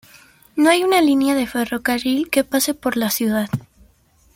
No hay una línea de ferrocarril que pase por la ciudad.